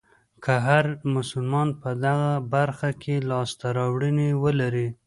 که هر مسلمان په دغه برخه کې لاسته راوړنې ولرلې.